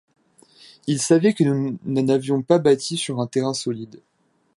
Ils savaient que nous n’avions pas bâti sur un terrain solide.